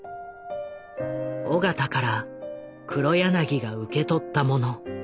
緒方から黒柳が受け取ったもの。